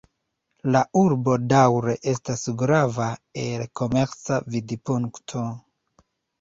La urbo daŭre estas grava el komerca vidpunkto.